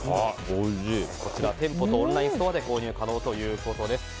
こちら店舗とオンラインストアで購入可能ということです。